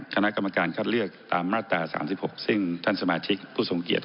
คณะกรรมการคัดเลือกตามมาตรา๓๖ซึ่งท่านสมาชิกผู้ทรงเกียจ